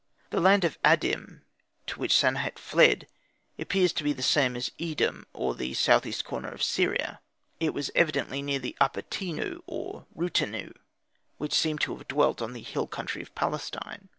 The land of Adim to which Sanehat fled appears to be the same as Edom or the southeast corner of Syria. It was evidently near the upper Tenu, or Rutennu, who seem to have dwelt on the hill country of Palestine.